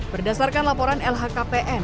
berdasarkan laporan lhkpn